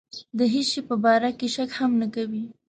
د هېڅ شي په باره کې شک هم نه کوي.